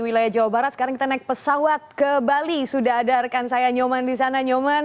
wilayah jawa barat sekarang kita naik pesawat ke bali sudah ada rekan saya nyoman di sana nyoman